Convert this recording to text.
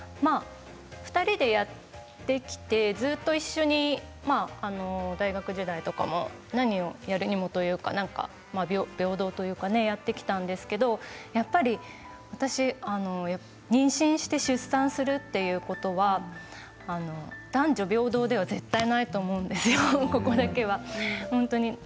２人でずっと一緒にやってきて大学時代とかも、何をやるにも平等というか、やってきたんですけれどやっぱり妊娠して出産するということは男女平等では絶対ないと思うんですよ、ここだけは。